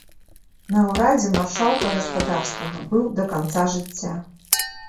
На ўрадзе маршалка гаспадарскага быў да канца жыцця.